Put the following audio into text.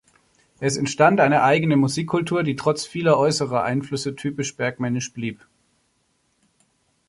Es entstand eine eigene Musikkultur, die trotz vieler äußerer Einflüsse typisch bergmännisch blieb.